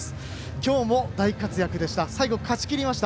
きょうも大活躍でした。